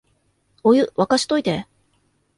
お湯、沸かしといて